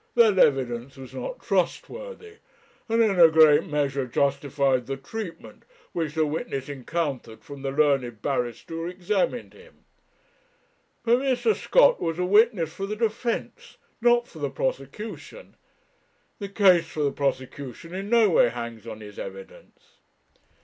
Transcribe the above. That evidence was not trustworthy, and in a great measure justified the treatment which the witness encountered from the learned barrister who examined him. But Mr. Scott was a witness for the defence, not for the prosecution. The case for the prosecution in no way hangs on his evidence.